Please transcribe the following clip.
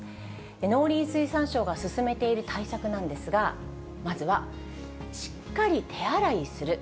農林水産省が勧めている対策なんですが、まずはしっかり手洗いする。